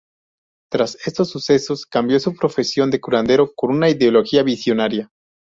Tras estos sucesos cambió su profesión de curandero con una ideología visionaria.